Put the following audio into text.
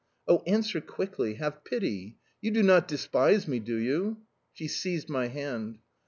Oh, answer quickly have pity... You do not despise me do you?" She seized my hand.